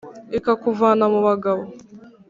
ikakuvana mu bagabo